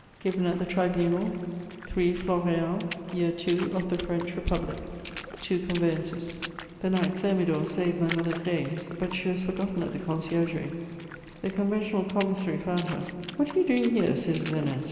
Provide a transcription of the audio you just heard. "Given at the Tribunal, 3 Floréal, Year II. of the French Republic. "Two conveyances." The 9 Thermidor saved my mother's days; but she was forgotten at the Conciergerie. The conventional commissary found her: "What are you doing here, citizeness?"